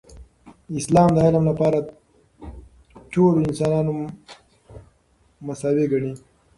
اسلام د علم لپاره ټول انسانان مساوي ګڼي.